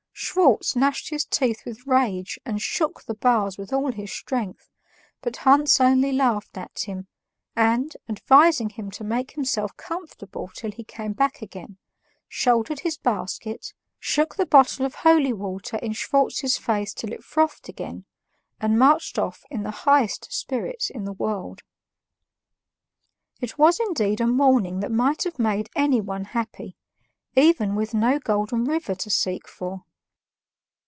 Schwartz gnashed his teeth with rage and shook the bars with all his strength, but Hans only laughed at him and, advising him to make himself comfortable till he came back again, shouldered his basket, shook the bottle of holy water in Schwartz's face till it frothed again, and marched off in the highest spirits in the world. It was indeed a morning that might have made anyone happy, even with no Golden River to seek for.